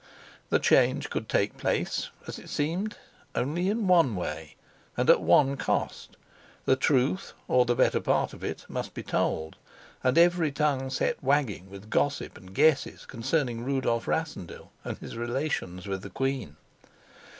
The change could take place, as it seemed, only in one way and at one cost: the truth, or the better part of it, must be told, and every tongue set wagging with gossip and guesses concerning Rudolf Rassendyll and his relations with the queen.